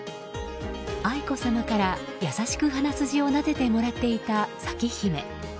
愛子さまから、優しく鼻筋をなでてもらっていた咲姫。